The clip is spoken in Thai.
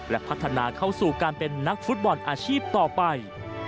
และพัฒนาเข้าสู่การเป็นนักฟุตบอลอาชีพต่อไป